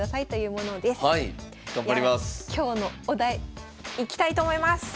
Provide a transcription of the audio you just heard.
今日のお題いきたいと思います！